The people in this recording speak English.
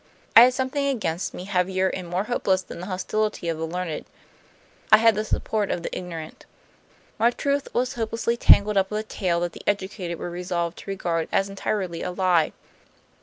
I had something against me heavier and more hopeless than the hostility of the learned; I had the support of the ignorant. My truth was hopelessly tangled up with a tale that the educated were resolved to regard as entirely a lie.